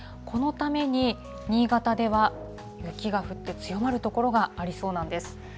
このために、新潟では雪が降って強まる所がありそうなんです。